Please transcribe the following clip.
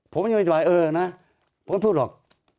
ผมยังไม่สบายเออนะผมก็พูดหรอก